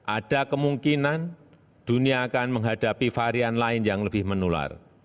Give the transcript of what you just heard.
ada kemungkinan dunia akan menghadapi varian lain yang lebih menular